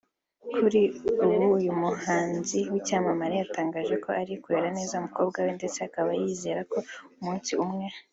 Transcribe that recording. kuri ubu uyu muhanzi wicyamamare yatangaje ko ari kurera neza umukobwa we ndetse akaba yizeye ko umunsi umwe